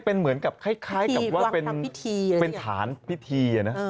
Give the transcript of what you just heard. เป็นเหมือนกันคล้ายเป็นฐานพิธี